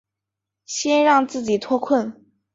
先让自己脱困